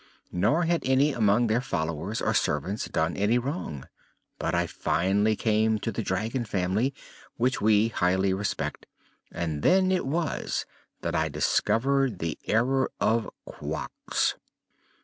Nor had any among their followers or servants done any wrong. But finally I came to the Dragon Family, which we highly respect, and then it was that I discovered the error of Quox.